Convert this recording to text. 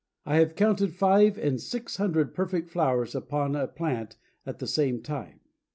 I have counted five and six hundred perfect flowers upon a plant at the same time."